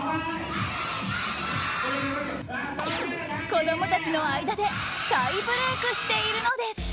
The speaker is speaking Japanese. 子供たちの間で再ブレークしているのです。